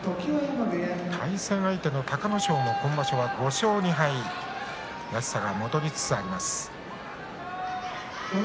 対戦相手の隆の勝も今場所５勝２敗らしさが戻りつつあります。